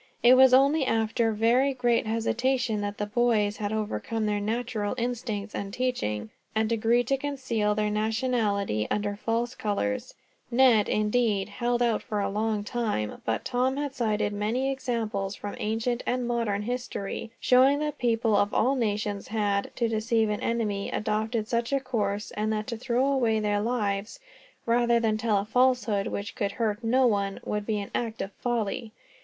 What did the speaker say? It was only after very great hesitation that the boys had overcome their natural instincts and teaching, and agreed to conceal their nationality under false colors Ned, indeed, held out for a long time; but Tom had cited many examples, from ancient and modern history, showing that people of all nations had, to deceive an enemy, adopted such a course; and that to throw away their lives, rather than tell a falsehood which could hurt no one, would be an act of folly.